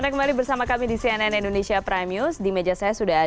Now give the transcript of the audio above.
terboleh settinge unggulan unggulan udara